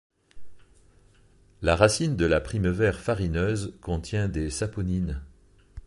La racine de la primevère farineuse contient des saponines.